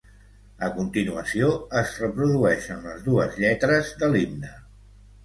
A continuació es reprodueixen les dues lletres de l'himne.